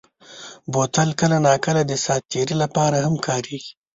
بوتل کله ناکله د ساعت تېرۍ لپاره هم کارېږي.